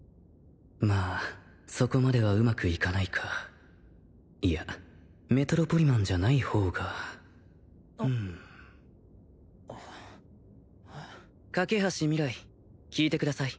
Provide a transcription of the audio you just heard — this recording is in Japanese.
まあそこまではうまくいかないかいやメトロポリマンじゃない方がうーん架橋明日聞いてください